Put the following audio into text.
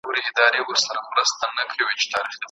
ایا وخت به بېرته هماغه پخواني حالت ته راوګرځي؟